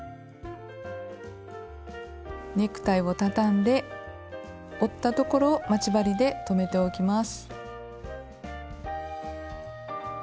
ネクタイをたたんで折ったところを待ち針で留めておきます。